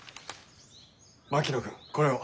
槙野君これを。